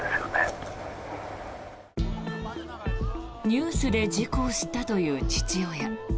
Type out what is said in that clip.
ニュースで事故を知ったという父親。